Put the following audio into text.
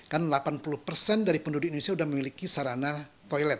kan delapan puluh persen dari penduduk indonesia sudah memiliki sarana toilet